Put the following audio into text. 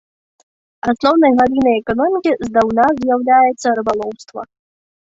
Асноўнай галінай эканомікі здаўна з'яўляецца рыбалоўства.